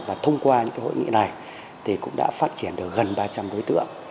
và thông qua những hội nghị này thì cũng đã phát triển được gần ba trăm linh đối tượng